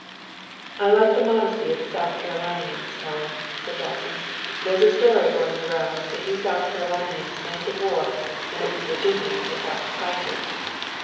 "I like the modesty of the South Carolinians, Tom," said Dalton. "There's a story going the rounds that you South Carolinians made the war and that we Virginians have got to fight it."